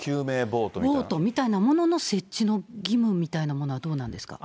ボートみたいなものの設置の義務みたいなものはどうなんですか。